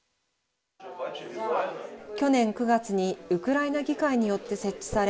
去年９月にウクライナ議会によって設置され